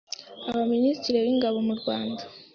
aba Minisitiri w’Ingabo murwanda